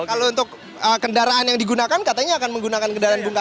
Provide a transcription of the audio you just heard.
kalau untuk kendaraan yang digunakan katanya akan menggunakan kendaraan bung karno